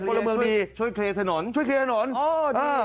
พลเมืองดีช่วยเคลียร์ถนนช่วยเคลียร์ถนนโอ้นี่